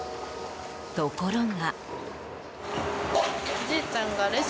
ところが。